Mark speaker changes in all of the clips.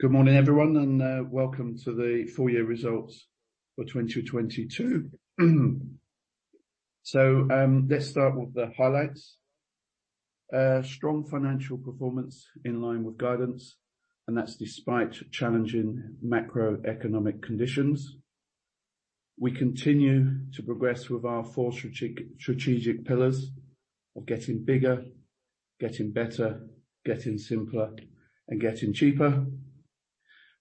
Speaker 1: Good morning, everyone, and welcome to the Full Year Results for 2022. Let's start with the highlights. Strong financial performance in line with guidance. That's despite challenging macroeconomic conditions. We continue to progress with our four strategic pillars of getting bigger, getting better, getting simpler, and getting cheaper.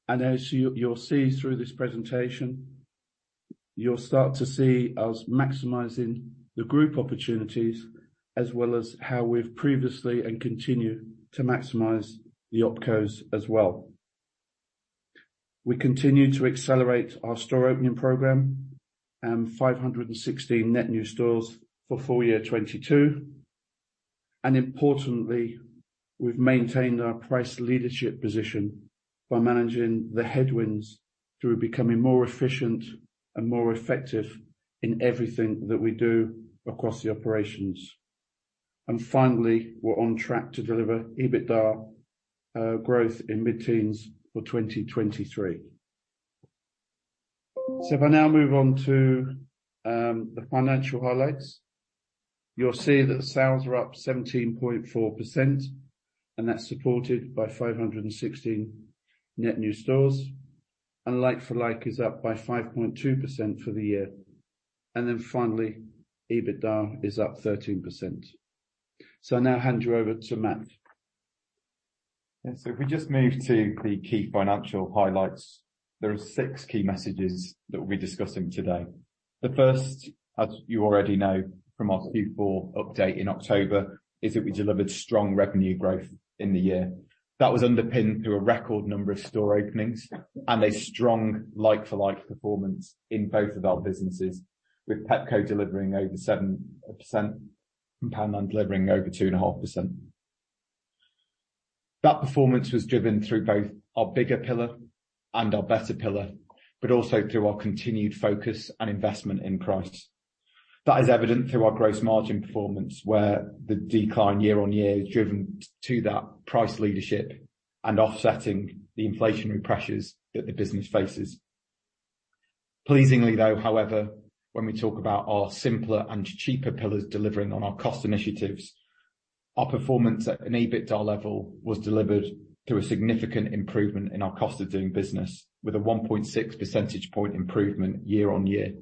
Speaker 1: As you'll see through this presentation, you'll start to see us maximizing the group opportunities as well as how we've previously and continue to maximize the OpCos as well. We continue to accelerate our store opening program, 516 net new stores for FY 2022. Importantly, we've maintained our price leadership position by managing the headwinds through becoming more efficient and more effective in everything that we do across the operations. Finally, we're on track to deliver EBITDA growth in mid-teens for 2023. If I now move on to the financial highlights. You'll see that sales are up 17.4%, and that's supported by 516 net new stores. Like-for-like is up by 5.2% for the year. Finally, EBITDA is up 13%. I now hand you over to Mat.
Speaker 2: If we just move to the key financial highlights, there are six key messages that we'll be discussing today. The first, as you already know from our Q4 update in October, is that we delivered strong revenue growth in the year. That was underpinned through a record number of store openings and a strong like-for-like performance in both of our businesses, with Pepco delivering over 7% and Poundland delivering over 2.5%. That performance was driven through both our Bigger Pillar and our Better Pillar, but also through our continued focus and investment in price. That is evident through our gross margin performance, where the decline year-on-year is driven to that price leadership and offsetting the inflationary pressures that the business faces. Pleasingly, though, however, when we talk about our Simpler and Cheaper Pillars delivering on our cost initiatives, our performance at an EBITDA level was delivered through a significant improvement in our cost of doing business, with a 1.6 percentage point improvement year-on-year.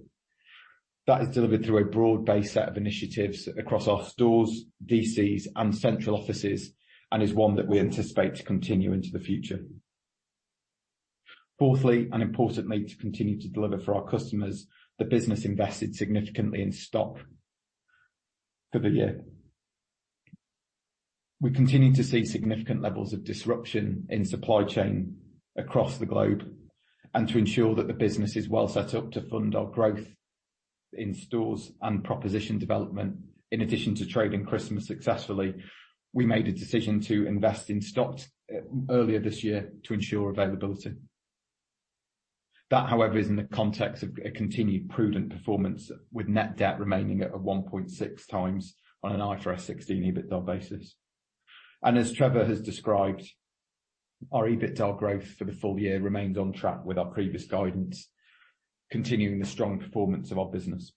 Speaker 2: That is delivered through a broad-based set of initiatives across our stores, DCs and central offices, and is one that we anticipate to continue into the future. Fourthly, importantly, to continue to deliver for our customers, the business invested significantly in stock for the year. We continue to see significant levels of disruption in supply chain across the globe and to ensure that the business is well set up to fund our growth in stores and proposition development. In addition to trading Christmas successfully, we made a decision to invest in stocks earlier this year to ensure availability. That, however, is in the context of a continued prudent performance, with net debt remaining at a 1.6 times on an IFRS 16 EBITDA basis. As Trevor has described, our EBITDA growth for the full year remains on track with our previous guidance, continuing the strong performance of our business.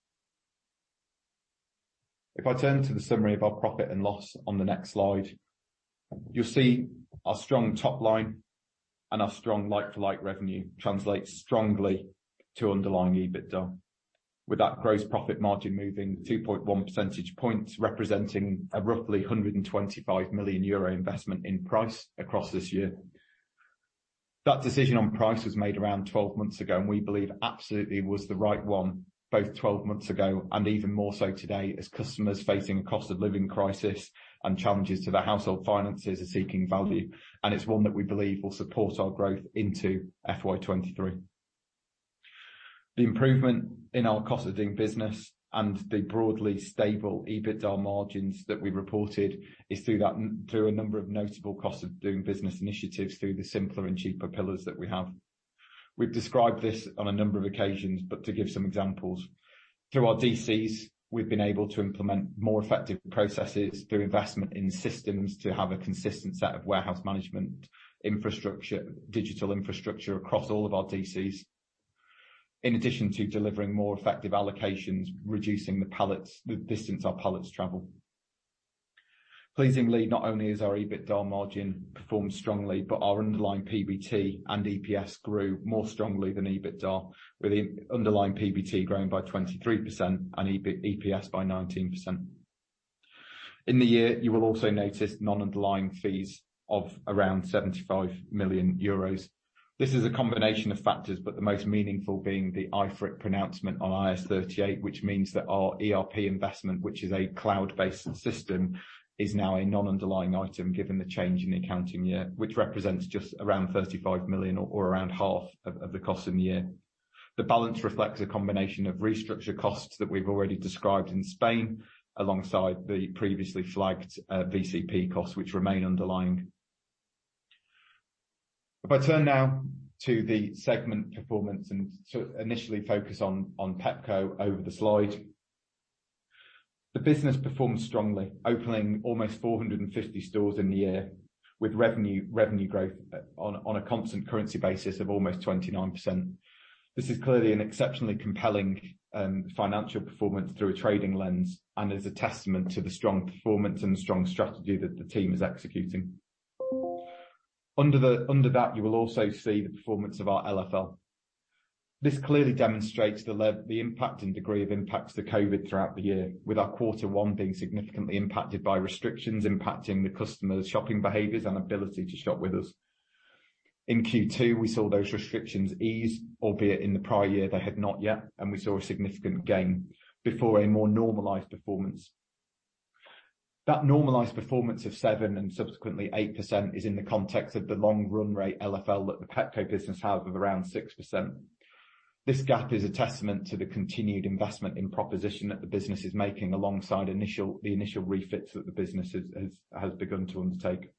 Speaker 2: If I turn to the summary of our profit and loss on the next slide, you'll see our strong top line and our strong like-for-like revenue translates strongly to underlying EBITDA. With that gross profit margin moving 2.1 percentage points, representing a roughly 125 million euro investment in price across this year. That decision on price was made around 12 months ago. We believe absolutely was the right one, both 12 months ago and even more so today, as customers facing a cost of living crisis and challenges to their household finances are seeking value. It's one that we believe will support our growth into FY 2023. The improvement in our cost of doing business and the broadly stable EBITDA margins that we reported is through a number of notable cost of doing business initiatives through the Simpler and Cheaper Pillars that we have. We've described this on a number of occasions. To give some examples, through our DCs, we've been able to implement more effective processes through investment in systems to have a consistent set of warehouse management infrastructure, digital infrastructure across all of our DCs. In addition to delivering more effective allocations, reducing the pallets, the distance our pallets travel. Pleasingly, not only has our EBITDA margin performed strongly, but our underlying PBT and EPS grew more strongly than EBITDA, with the underlying PBT growing by 23% and EPS by 19%. In the year, you will also notice non-underlying fees of around 75 million euros. This is a combination of factors, but the most meaningful being the IFRIC pronouncement on IAS 38, which means that our ERP investment, which is a cloud-based system, is now a non-underlying item given the change in the accounting year, which represents just around 35 million or around half of the cost in the year. The balance reflects a combination of restructure costs that we've already described in Spain, alongside the previously flagged VCP costs, which remain underlying. If I turn now to the segment performance and initially focus on Pepco over the slide. The business performed strongly, opening almost 450 stores in the year, with revenue growth on a constant currency basis of almost 29%. This is clearly an exceptionally compelling financial performance through a trading lens and is a testament to the strong performance and strong strategy that the team is executing. Under that, you will also see the performance of our LFL. This clearly demonstrates the impact and degree of impacts to COVID throughout the year, with our quarter one being significantly impacted by restrictions impacting the customers' shopping behaviors and ability to shop with us. In Q2, we saw those restrictions ease, albeit in the prior year, they had not yet, and we saw a significant gain before a more normalized performance. That normalized performance of 7% and subsequently 8% is in the context of the long run rate LFL that the Pepco business have of around 6%. This gap is a testament to the continued investment in proposition that the business is making alongside the initial refits that the business has begun to undertake.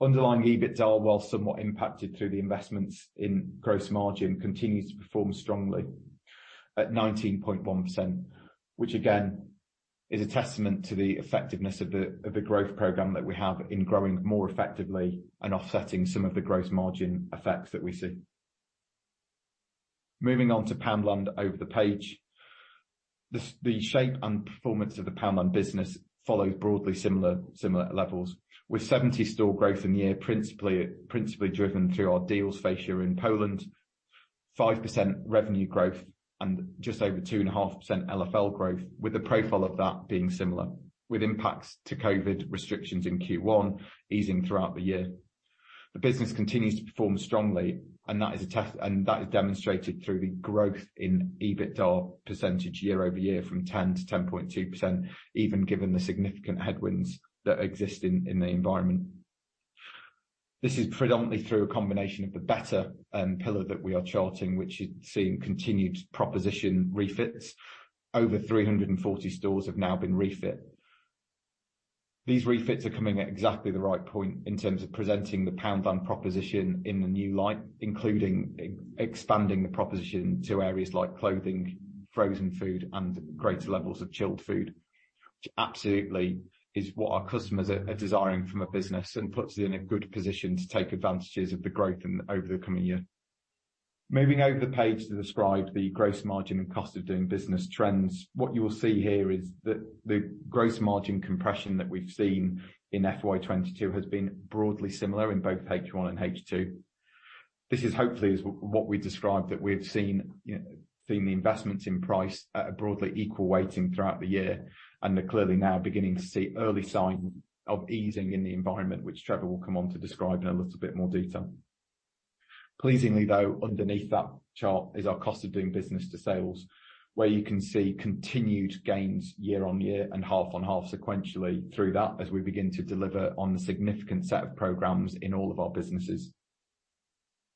Speaker 2: Underlying EBITDA, while somewhat impacted through the investments in gross margin, continues to perform strongly at 19.1%, which again is a testament to the effectiveness of the growth program that we have in growing more effectively and offsetting some of the gross margin effects that we see. Moving on to Poundland over the page. The shape and performance of the Poundland business follows broadly similar levels, with 70 store growth in the year, principally driven through our Dealz fascia in Poland, 5% revenue growth and just over 2.5% LFL growth, with the profile of that being similar, with impacts to COVID restrictions in Q1 easing throughout the year. The business continues to perform strongly, and that is demonstrated through the growth in EBITDA percentage year-on-year from 10% to 10.2%, even given the significant headwinds that exist in the environment. This is predominantly through a combination of the better pillar that we are charting, which you've seen continued proposition refits. Over 340 stores have now been refit. These refits are coming at exactly the right point in terms of presenting the Poundland proposition in a new light, including expanding the proposition to areas like clothing, frozen food, and greater levels of chilled food, which absolutely is what our customers are desiring from a business and puts it in a good position to take advantages of the growth over the coming year. Moving over the page to describe the gross margin and cost of doing business trends. What you will see here is that the gross margin compression that we've seen in FY 2022 has been broadly similar in both H1 and H2. This is hopefully what we described, that we've seen, you know, the investments in price at a broadly equal weighting throughout the year. They're clearly now beginning to see early sign of easing in the environment, which Trevor will come on to describe in a little bit more detail. Pleasingly, though, underneath that chart is our cost of doing business to sales, where you can see continued gains year-on-year and half-on-half sequentially through that as we begin to deliver on the significant set of programs in all of our businesses.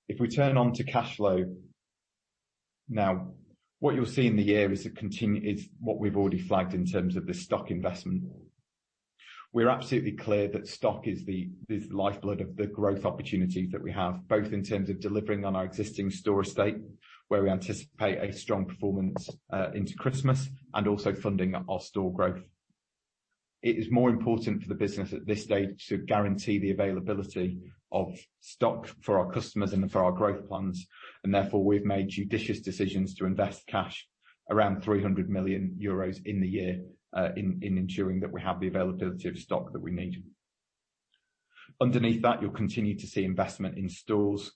Speaker 2: If we turn on to cash flow. What you'll see in the year is what we've already flagged in terms of the stock investment. We're absolutely clear that stock is the lifeblood of the growth opportunities that we have, both in terms of delivering on our existing store estate, where we anticipate a strong performance into Christmas, also funding our store growth. It is more important for the business at this stage to guarantee the availability of stock for our customers and for our growth plans, therefore, we've made judicious decisions to invest cash around 300 million euros in the year in ensuring that we have the availability of stock that we need. Underneath that, you'll continue to see investment in stores.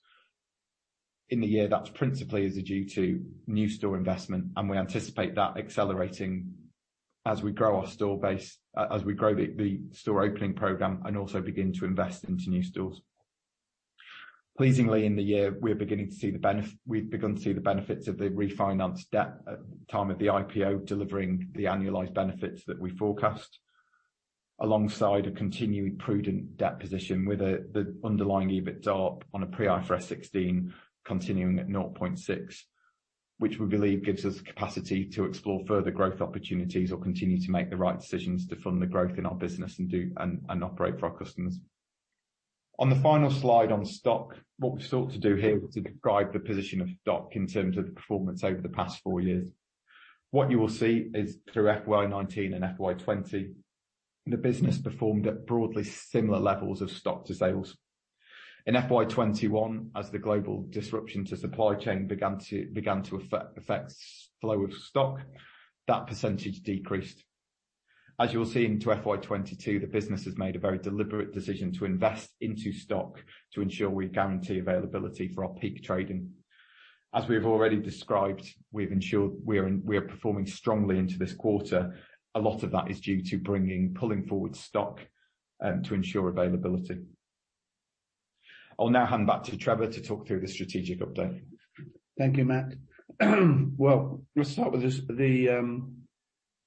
Speaker 2: In the year, that's principally as due to new store investment, we anticipate that accelerating as we grow our store base, as we grow the store opening program, also begin to invest into new stores. Pleasingly in the year, we've begun to see the benefits of the refinanced debt at time of the IPO, delivering the annualized benefits that we forecast, alongside a continuing prudent debt position with the underlying EBITDA on a pre-IFRS 16 continuing at 0.6, which we believe gives us capacity to explore further growth opportunities or continue to make the right decisions to fund the growth in our business and operate for our customers. On the final slide on stock, what we've sought to do here is describe the position of stock in terms of the performance over the past four years. What you will see is through FY 2019 and FY 2020, the business performed at broadly similar levels of stock to sales. In FY 2021, as the global disruption to supply chain began to affect flow of stock, that % decreased. As you'll see into FY 2022, the business has made a very deliberate decision to invest into stock to ensure we guarantee availability for our peak trading. As we have already described, we've ensured we are performing strongly into this quarter. A lot of that is due to pulling forward stock to ensure availability. I'll now hand back to Trevor to talk through the strategic update.
Speaker 1: Thank you, Mat. Well, we'll start with the strategic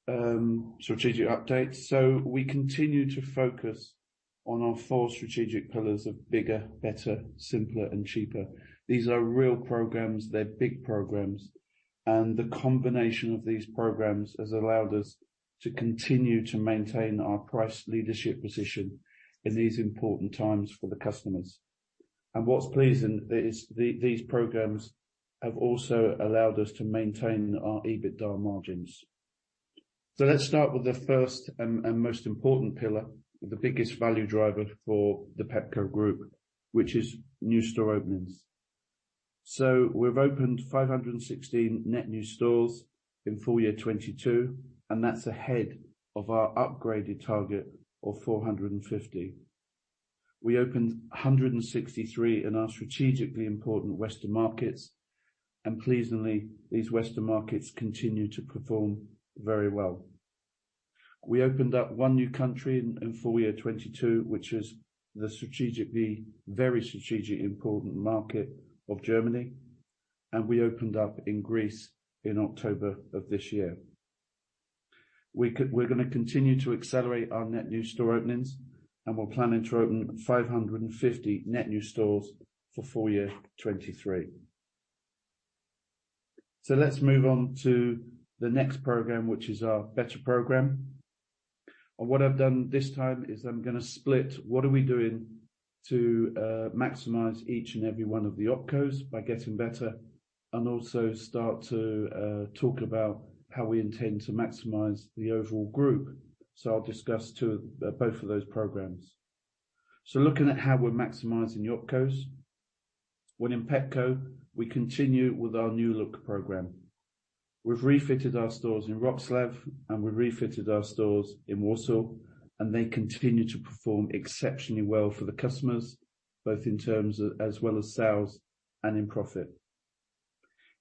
Speaker 1: update. We continue to focus on our four strategic pillars of bigger, better, simpler, and cheaper. These are real programs. They're big programs. The combination of these programs has allowed us to continue to maintain our price leadership position in these important times for the customers. What's pleasing is these programs have also allowed us to maintain our EBITDA margins. Let's start with the first and most important pillar, the biggest value driver for the Pepco Group, which is new store openings. We've opened 516 net new stores in FY 2022, and that's ahead of our upgraded target of 450. We opened 163 in our strategically important Western markets, and pleasingly, these Western markets continue to perform very well. We opened up one new country in FY 2022, which is the very strategically important market of Germany, and we opened up in Greece in October of this year. We're gonna continue to accelerate our net new store openings, and we're planning to open 550 net new stores for FY 2023. Let's move on to the next program, which is our better program. What I've done this time is I'm gonna split what are we doing to maximize each and every one of the OpCos by getting better and also start to talk about how we intend to maximize the overall group. I'll discuss both of those programs. Looking at how we're maximizing the OpCos. When in Pepco, we continue with our new look programme. We've refitted our stores in Wrocław, we refitted our stores in Warsaw, they continue to perform exceptionally well for the customers, both in terms of as well as sales and in profit.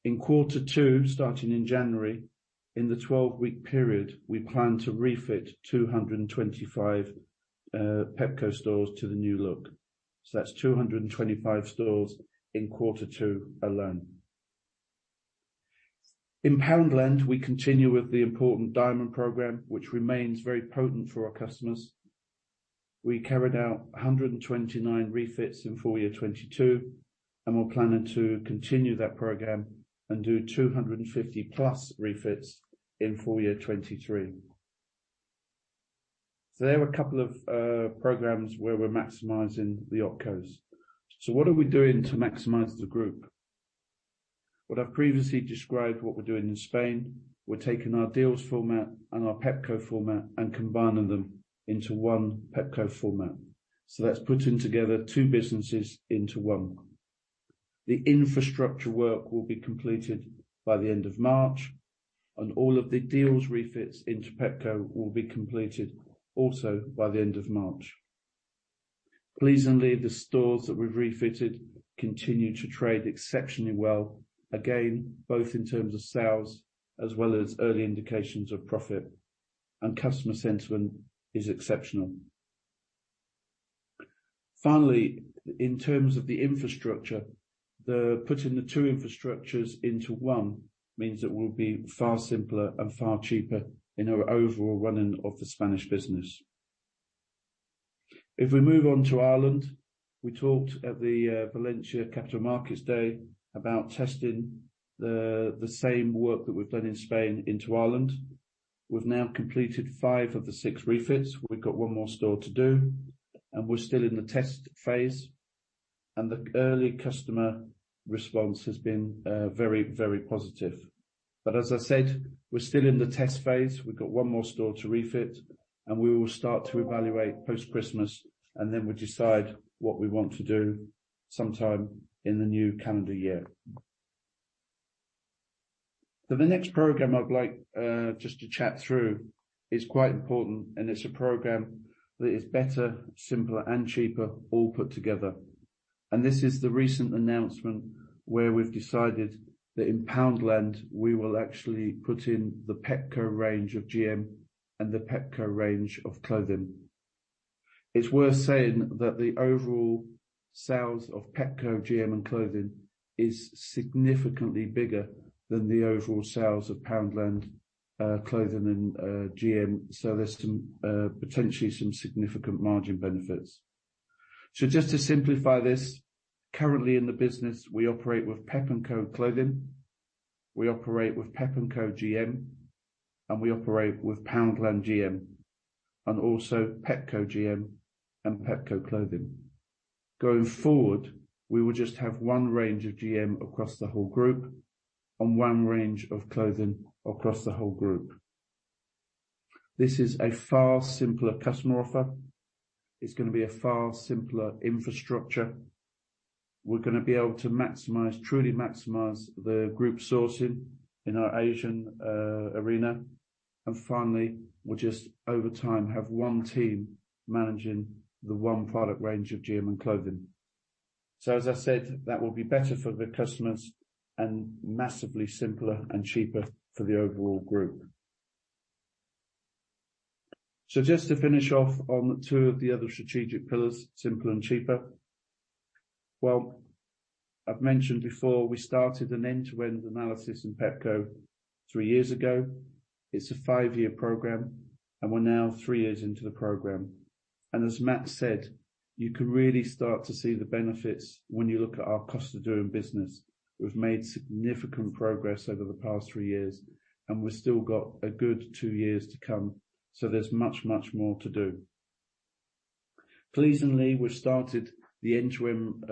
Speaker 1: In quarter two, starting in January, in the 12-week period, we plan to refit 225 Pepco stores to the new look. That's 225 stores in quarter two alone. In Poundland, we continue with the important Diamond Programme, which remains very potent for our customers. We carried out 129 refits in full year 2022, we're planning to continue that program and do 250+ refits in full year 2023. There were a couple of programs where we're maximizing the OpCos. What are we doing to maximize the group? What I've previously described what we're doing in Spain, we're taking our Dealz format and our Pepco format and combining them into 1 Pepco format. That's putting together two businesses into one. The infrastructure work will be completed by the end of March, and all of the Dealz refits into Pepco will be completed also by the end of March. Pleasingly, the stores that we've refitted continue to trade exceptionally well, again, both in terms of sales as well as early indications of profit, and customer sentiment is exceptional. Finally, in terms of the infrastructure, the putting the two infrastructures into one means it will be far simpler and far cheaper in our overall running of the Spanish business. If we move on to Ireland, we talked at the Valencia Capital Markets Day about testing the same work that we've done in Spain into Ireland. We've now completed five of the six refits. We've got one more store to do, and we're still in the test phase, and the early customer response has been very, very positive. As I said, we're still in the test phase. We've got one more store to refit, and we will start to evaluate post-Christmas, and then we decide what we want to do sometime in the new calendar year. The next program I'd like just to chat through is quite important, and it's a program that is better, simpler, and cheaper all put together. This is the recent announcement where we've decided that in Poundland, we will actually put in the Pepco range of GM and the Pepco range of Clothing. It's worth saying that the overall sales of Pepco GM and clothing is significantly bigger than the overall sales of Poundland, clothing and GM. There's some potentially some significant margin benefits. Just to simplify this, currently in the business, we operate with Pep&Co Clothing, we operate with Pep&Co GM, and we operate with Poundland GM, and also Pepco GM and Pepco Clothing. Going forward, we will just have one range of GM across the whole group and one range of clothing across the whole group. This is a far simpler customer offer. It's gonna be a far simpler infrastructure. We're gonna be able to maximize, truly maximize the group sourcing in our Asian arena. Finally, we'll just, over time, have one team managing the one product range of GM and clothing. As I said, that will be better for the customers and massively simpler and cheaper for the overall group. Just to finish off on two of the other strategic pillars, simpler and cheaper. Well, I've mentioned before, we started an end-to-end analysis in Pepco three years ago. It's a five-year program, and we're now three years into the program. As Mat said, you can really start to see the benefits when you look at our cost of doing business. We've made significant progress over the past three years, and we've still got a good two years to come. There's much, much more to do. Pleasingly, we've started the interim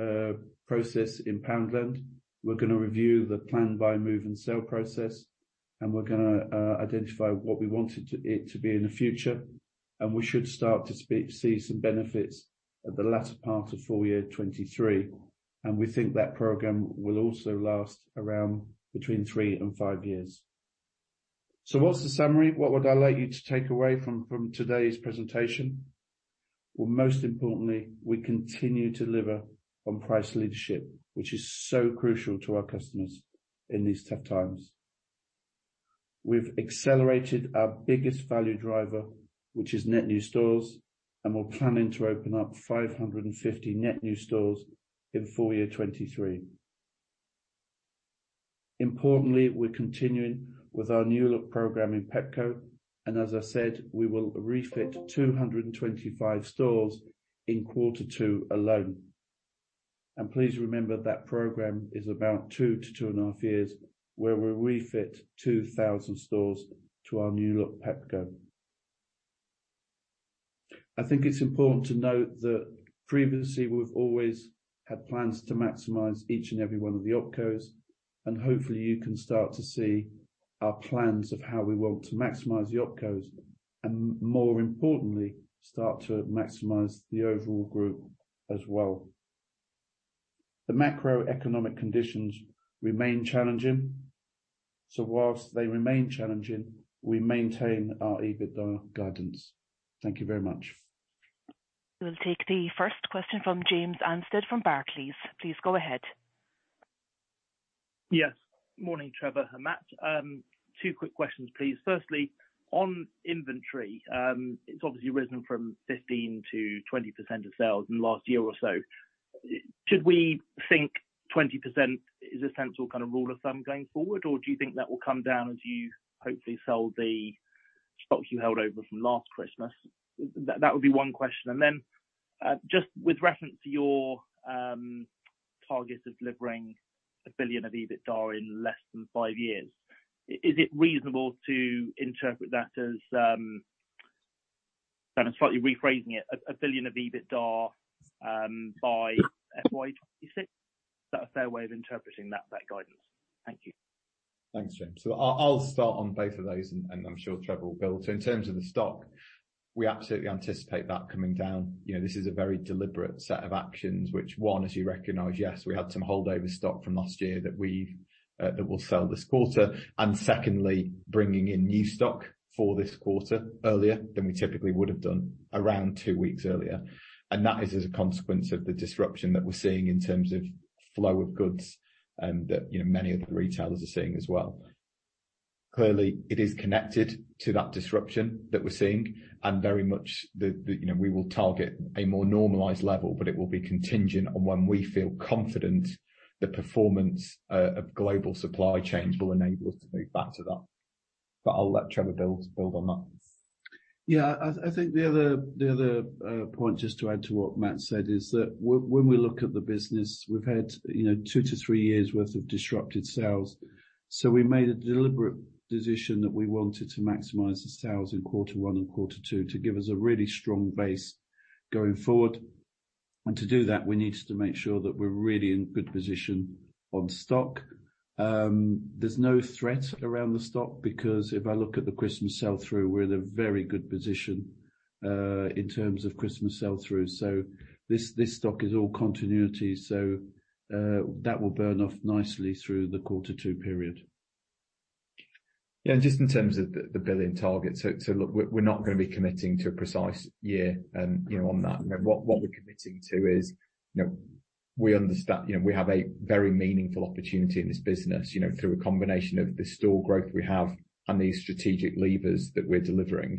Speaker 1: process in Poundland. We're gonna review the Plan-Buy-Move-Sell process, we're gonna identify what we want it to be in the future, and we should start to see some benefits at the latter part of FY 2023. We think that program will also last around between three and five years. What's the summary? What would I like you to take away from today's presentation? Well, most importantly, we continue to deliver on price leadership, which is so crucial to our customers in these tough times. We've accelerated our biggest value driver, which is net new stores, and we're planning to open up 550 net new stores in FY 2023. Importantly, we're continuing with our new look programme in Pepco, and as I said, we will refit 225 stores in quarter two alone. Please remember that program is about two to two point five years, where we'll refit 2,000 stores to our new look Pepco. I think it's important to note that previously we've always had plans to maximize each and every one of the OpCos, and hopefully you can start to see our plans of how we want to maximize the OpCos and more importantly, start to maximize the overall group as well. The macroeconomic conditions remain challenging, so whilst they remain challenging, we maintain our EBITDA guidance. Thank you very much.
Speaker 3: We'll take the first question from James Anstead from Barclays. Please go ahead.
Speaker 4: Yes. Morning, Trevor and Mat. Two quick questions, please. Firstly, on inventory, it's obviously risen from 15%-20% of sales in the last year or so. Should we think 20% is a central kind of rule of thumb going forward? Or do you think that will come down as you hopefully sell the stocks you held over from last Christmas? That would be one question. Just with reference to your target of delivering 1 billion of EBITDA in less than 5 years, is it reasonable to interpret that as... Kind of slightly rephrasing it, 1 billion of EBITDA by FY 2026? Is that a fair way of interpreting that guidance? Thank you.
Speaker 2: Thanks, James. I'll start on both of those, and I'm sure Trevor will build. In terms of the stock, we absolutely anticipate that coming down. You know, this is a very deliberate set of actions, which one, as you recognize, yes, we had some holdover stock from last year that we've that we'll sell this quarter. Secondly, bringing in new stock for this quarter earlier than we typically would have done, around two weeks earlier. That is as a consequence of the disruption that we're seeing in terms of flow of goods and that, you know, many other retailers are seeing as well. Clearly, it is connected to that disruption that we're seeing and very much the, you know, we will target a more normalized level, but it will be contingent on when we feel confident the performance of global supply chains will enable us to move back to that. I'll let Trevor build on that.
Speaker 1: Yeah. I think the other, the other point, just to add to what Mat said, is that when we look at the business, we've had, you know, two to three years worth of disrupted sales. We made a deliberate decision that we wanted to maximize the sales in quarter one and quarter two to give us a really strong base going forward. To do that, we needed to make sure that we're really in good position on stock. There's no threat around the stock because if I look at the Christmas sell-through, we're in a very good position in terms of Christmas sell-through. This stock is all continuity, so that will burn off nicely through the quarter two period.
Speaker 2: Yeah, just in terms of the billion target. Look, we're not gonna be committing to a precise year, you know, on that. You know, what we're committing to is, you know, we understand, you know, we have a very meaningful opportunity in this business, you know, through a combination of the store growth we have and the strategic levers that we're delivering.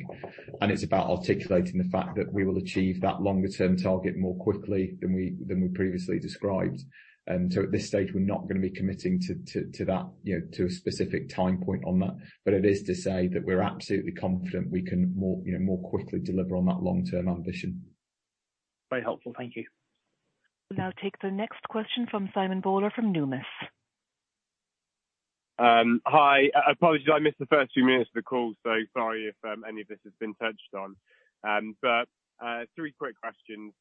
Speaker 2: It's about articulating the fact that we will achieve that longer term target more quickly than we previously described. At this stage, we're not gonna be committing to that, you know, to a specific time point on that. It is to say that we're absolutely confident we can more quickly deliver on that long-term ambition.
Speaker 4: Very helpful. Thank you.
Speaker 3: We'll now take the next question from Simon Bowler from Numis.
Speaker 5: Hi. Apologies, I missed the first few minutes of the call, sorry if any of this has been touched on. Three quick questions.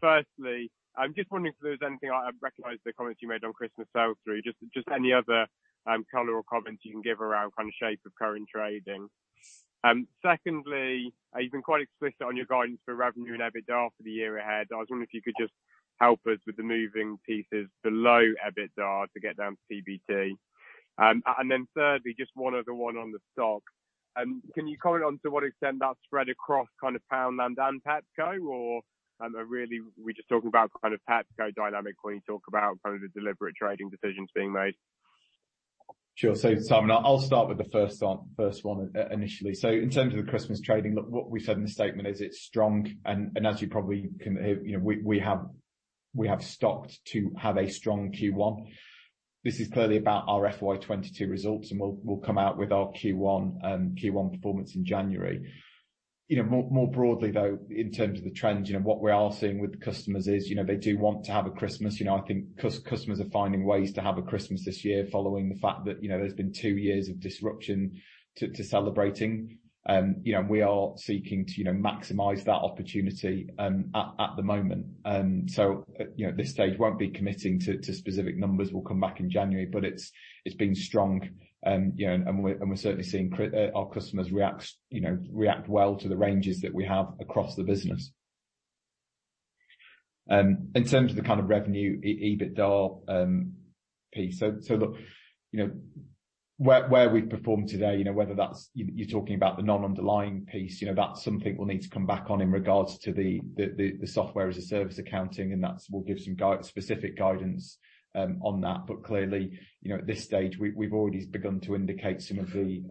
Speaker 5: Firstly, I'm just wondering if there's anything I recognize the comments you made on Christmas sell-through. Just any other color or comments you can give around kind of shape of current trading. Secondly, you've been quite explicit on your guidance for revenue and EBITDA for the year ahead. I was wondering if you could just help us with the moving pieces below EBITDA to get down to PBT. Thirdly, just one other one on the stock. can you comment on to what extent that's spread across kind of Poundland and Pepco, or, are really we just talking about kind of Pepco dynamic when you talk about kind of the deliberate trading decisions being made?
Speaker 2: Sure. Simon, I'll start with the first one initially. In terms of the Christmas trading, look, what we said in the statement is it's strong, and as you probably can hear, you know, we have stocked to have a strong Q1. This is clearly about our FY 2022 results, and we'll come out with our Q1 performance in January. You know, more broadly, though, in terms of the trends, you know, what we are seeing with the customers is, you know, they do want to have a Christmas. You know, I think customers are finding ways to have a Christmas this year following the fact that, you know, there's been two years of disruption to celebrating. You know, we are seeking to, you know, maximize that opportunity at the moment. You know, at this stage, won't be committing to specific numbers. We'll come back in January, but it's been strong. You know, we're certainly seeing our customers react, you know, react well to the ranges that we have across the business. In terms of the kind of revenue EBITDA piece. Look, you know, where we've performed today, you know, whether that's... You talking about the non-underlying piece, you know, that's something we'll need to come back on in regards to the SaaS accounting, and that's... We'll give some specific guidance on that. Clearly, you know, at this stage we've already begun to indicate some of the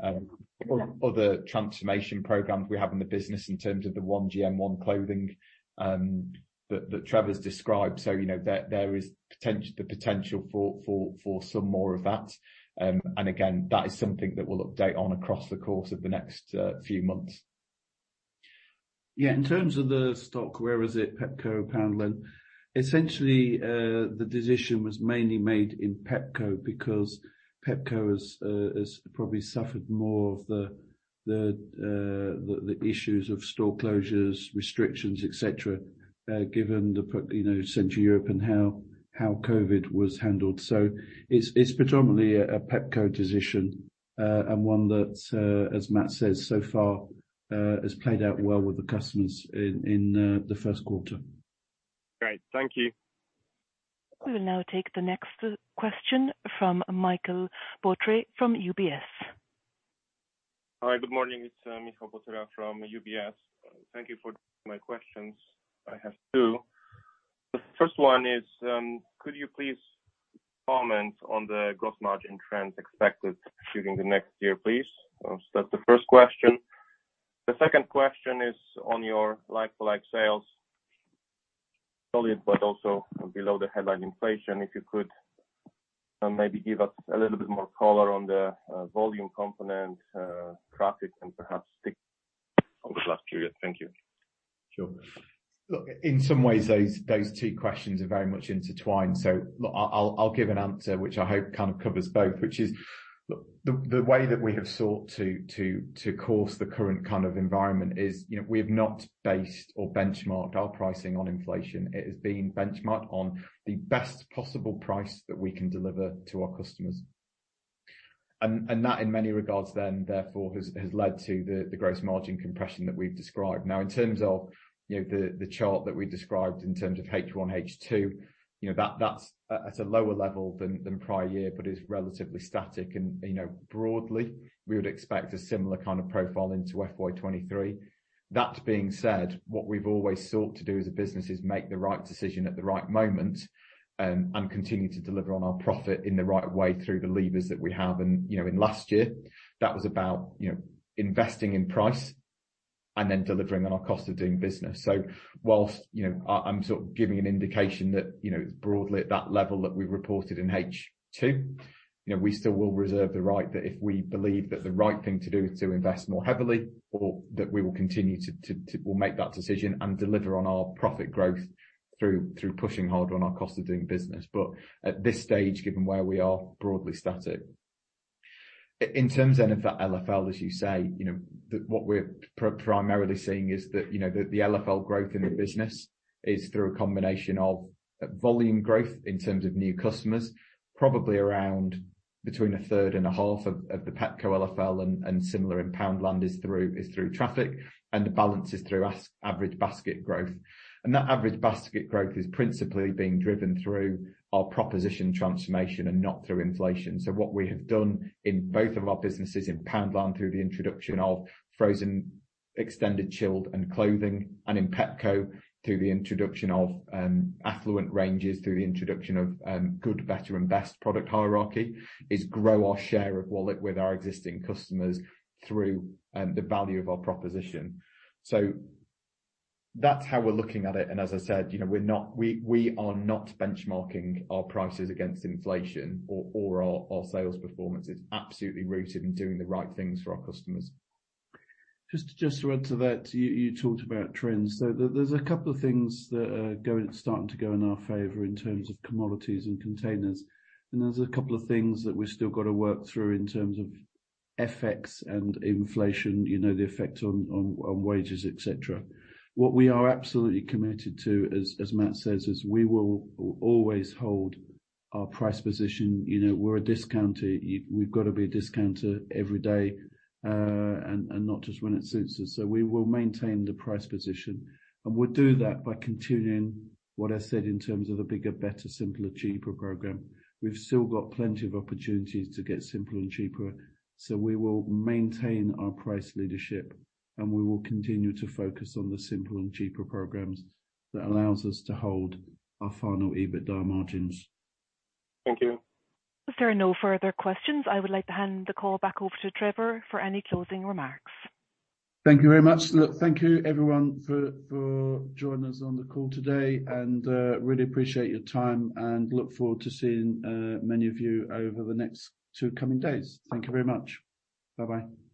Speaker 2: other transformation programs we have in the business in terms of the one GM, one clothing, that Trevor's described. You know, there is the potential for some more of that. And again, that is something that we'll update on across the course of the next few months.
Speaker 1: Yeah. In terms of the stock, where is it, Pepco, Poundland? Essentially, the decision was mainly made in Pepco because Pepco has probably suffered more of the, the issues of store closures, restrictions, et cetera, given the you know, Central Europe and how COVID was handled. It's predominantly a Pepco decision, and one that's as Mat says, so far, has played out well with the customers in the first quarter.
Speaker 6: Great. Thank you.
Speaker 3: We will now take the next question from Michał Potyra from UBS.
Speaker 6: Hi. Good morning. It's Michał Potyra from UBS. Thank you for taking my questions. I have 2. The first one is, could you please comment on the gross margin trends expected during the next year, please? That's the first question. The second question is on your like-for-like sales. Solid, but also below the headline inflation. If you could, maybe give us a little bit more color on the volume component, traffic, and perhaps stick over the last period. Thank you.
Speaker 2: Sure. Look, in some ways, those two questions are very much intertwined. I'll give an answer which I hope kind of covers both, which is. The way that we have sought to course the current kind of environment is, you know, we have not based or benchmarked our pricing on inflation. It has been benchmarked on the best possible price that we can deliver to our customers. That in many regards then, therefore, has led to the gross margin compression that we've described. In terms of, you know, the chart that we described in terms of H1, H2, you know, that's at a lower level than prior year but is relatively static and, you know, broadly, we would expect a similar kind of profile into FY 2023. That being said, what we've always sought to do as a business is make the right decision at the right moment, and continue to deliver on our profit in the right way through the levers that we have. You know, in last year, that was about, you know, investing in price and then delivering on our cost of doing business. Whilst, you know, I'm sort of giving an indication that, you know, it's broadly at that level that we reported in H2, you know, we still will reserve the right that if we believe that the right thing to do is to invest more heavily or that we will continue to, We'll make that decision and deliver on our profit growth through pushing hard on our cost of doing business. At this stage, given where we are, broadly static. In terms then of that LFL, as you say, you know, what we're primarily seeing is that, you know, the LFL growth in the business is through a combination of volume growth in terms of new customers, probably around between a third and a half of the Pepco LFL and similar in Poundland is through traffic, and the balance is through average basket growth. That average basket growth is principally being driven through our proposition transformation and not through inflation. What we have done in both of our businesses, in Poundland through the introduction of frozen, extended chilled, and clothing, and in Pepco through the introduction of affluent ranges, through the introduction of good, better, and best product hierarchy, is grow our share of wallet with our existing customers through the value of our proposition. That's how we're looking at it, and as I said, you know, we are not benchmarking our prices against inflation or our sales performance. It's absolutely rooted in doing the right things for our customers.
Speaker 1: Just to add to that, you talked about trends. There's a couple of things that are starting to go in our favor in terms of commodities and containers. There's a couple of things that we've still got to work through in terms of FX and inflation, you know, the effect on wages, et cetera. What we are absolutely committed to, as Mat says, is we will always hold our price position. You know, we're a discounter. We've got to be a discounter every day and not just when it suits us. We will maintain the price position, and we'll do that by continuing what I said in terms of the bigger, better, simpler, cheaper program. We've still got plenty of opportunities to get simpler and cheaper. We will maintain our price leadership, and we will continue to focus on the simpler and cheaper programs that allows us to hold our final EBITDA margins.
Speaker 6: Thank you.
Speaker 3: If there are no further questions, I would like to hand the call back over to Trevor for any closing remarks.
Speaker 1: Thank you very much. Look, thank you everyone for joining us on the call today and really appreciate your time and look forward to seeing many of you over the next two coming days. Thank you very much. Bye-bye.